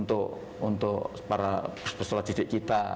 untuk para pesulat pesulat didik kita